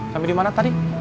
kami di mana tadi